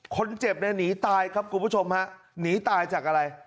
คนเจ็บเนี่ยหนีตายครับคุณผู้ชมฮะหนีตายจากอะไร